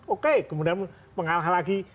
oke kemudian mengalah lagi